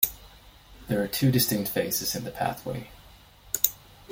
There are two distinct phases in the pathway.